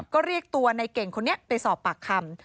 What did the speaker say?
ก็เรียกตัวในเก่งคนนี้ไปสอบปากคำ